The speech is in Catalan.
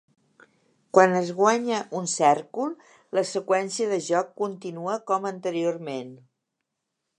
Quan es guanya un cèrcol, la seqüència de joc continua com anteriorment.